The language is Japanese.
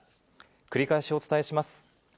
繰り返しお伝えします。